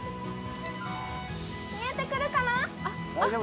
見えてくるかな？